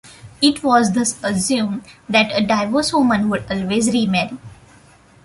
It was thus assumed that a divorced woman would always remarry.